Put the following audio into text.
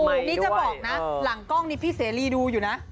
นี่จะบอกนะหลังกล้องนี้พี่เสรีดูอยู่นะ